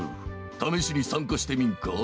ためしにさんかしてみんか？